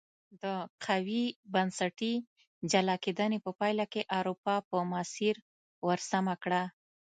د قوي بنسټي جلا کېدنې په پایله کې اروپا په مسیر ور سمه کړه.